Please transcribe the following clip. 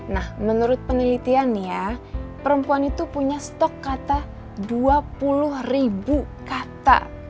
nah menurut penelitian ya perempuan itu punya stok kata dua puluh ribu kata